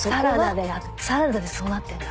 サラダでそうなってんだ。